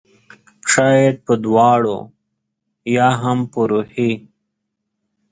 شاید په دواړو ؟ یا هم په روحي